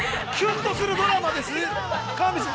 きゅんとするドラマです。